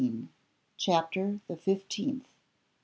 CHAPTER THE FIFTEENTH.